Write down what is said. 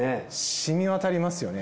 しみ渡りますよね。